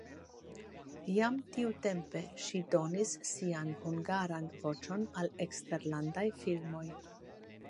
Jam tiutempe ŝi donis sian (hungaran) voĉon al eksterlandaj filmoj.